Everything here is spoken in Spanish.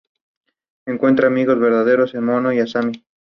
Su carrera total para el equipo senior Shakhtar duró diez años.